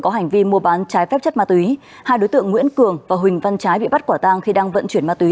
có hành vi mua bán trái phép chất ma túy hai đối tượng nguyễn cường và huỳnh văn trái bị bắt quả tang khi đang vận chuyển ma túy